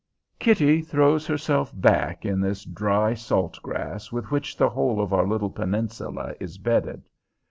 Kitty throws herself back in the dry salt grass with which the whole of our little peninsula is bedded.